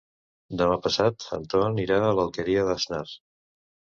Demà passat en Ton irà a l'Alqueria d'Asnar.